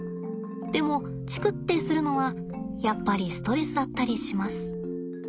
でもチクッてするのはやっぱりストレスだったりします。